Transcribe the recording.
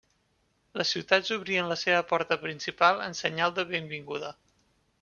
Les ciutats obrien la seva porta principal en senyal de benvinguda.